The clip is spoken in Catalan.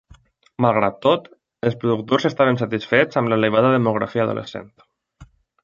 Malgrat tot, els productors estaven satisfets amb l'elevada demografia adolescent.